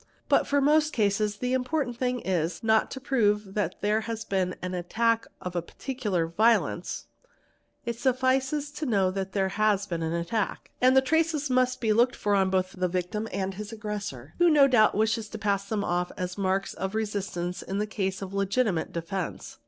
But in most cases the important thing is, not to prove that there has been an attack of a particular violence; it suffices to know that there has been an attack; and the traces must be looked for both on the victim and on his aggressor, who no doubt wishes to pass them off as marks of resistance in a case of legitimate defence.